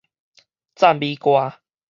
讚美歌